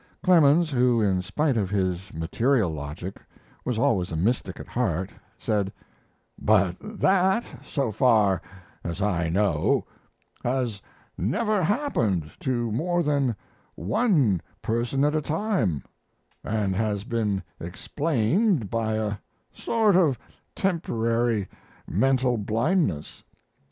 Clemens, who, in spite of his material logic, was always a mystic at heart, said: "But that, so far as I know, has never happened to more than one person at a time, and has been explained by a sort of temporary mental blindness.